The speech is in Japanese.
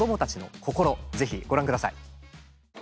ぜひご覧下さい。